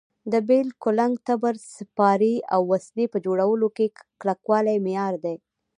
د بېل، کولنګ، تبر، سپارې او وسلې په جوړولو کې کلکوالی معیار دی.